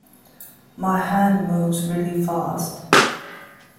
My hand moves really fast.